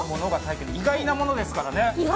意外なものですからね。